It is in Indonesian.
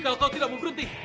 kalau kau tidak mau berhenti